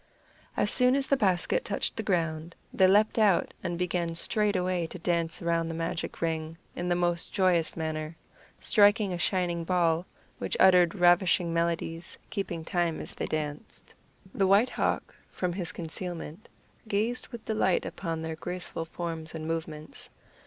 As soon as the basket touched the ground they leaped out, and began straightway to dance around the magic ring, in the most joyous manner, striking a shining ball, which uttered ravishing melodies, keeping time as they danced. [Illustration: 0095] The White Hawk, from his concealment, gazed with delight upon their graceful forms and movements.